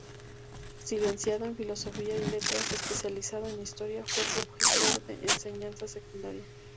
Licenciado en Filosofía y Letras, especializado en Historia, fue profesor de enseñanza secundaria.